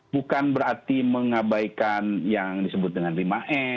bukan berarti mengabaikan yang disebut dengan lima m